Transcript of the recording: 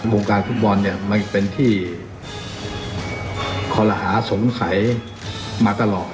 วงการฟุตบอลเนี่ยมันเป็นที่คอลหาสงสัยมาตลอด